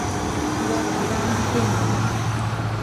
Wakirá heminá.